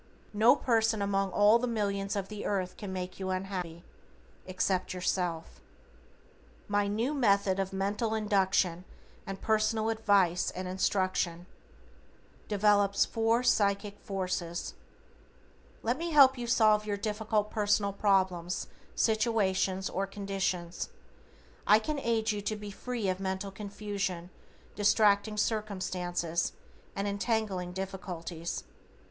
No person among all the millions of the earth can make you unhappy, except yourself. =MY NEW METHOD OF MENTAL INDUCTION with PERSONAL ADVICE AND INSTRUCTION Develops Four Psychic Forces= Let me help you solve your difficult personal problems, situations, or conditions. I can aid you to be free of mental confusion, distracting circumstances, and entangling difficulties.